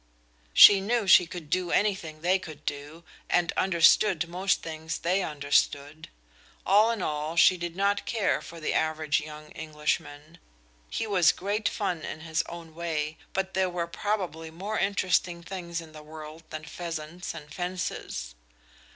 She knew she could do anything they could do, and understood most things they understood. All in all, she did not care for the average young Englishman. He was great fun in his own way, but there were probably more interesting things in the world than pheasants and fences.